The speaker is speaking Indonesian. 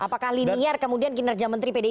apakah linier kemudian kinerja menteri pdi